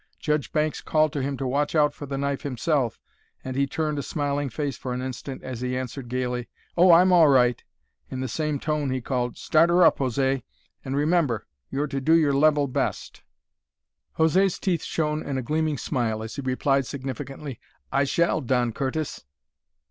Judge Banks called to him to watch out for the knife himself, and he turned a smiling face for an instant as he answered gayly, "Oh, I'm all right!" In the same tone he called, "Start her up, José! And remember, you're to do your level best." José's teeth shone in a gleaming smile as he replied significantly, "I shall, Don Curtis!"